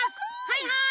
はいはい。